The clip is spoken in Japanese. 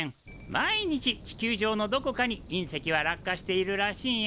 毎日地球上のどこかに隕石は落下しているらしいよ。